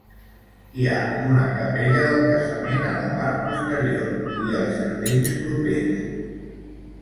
Hi ha una capella del casament a la part posterior, i els jardins propers.